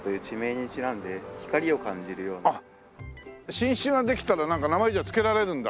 新種ができたらなんか名前付けられるんだ。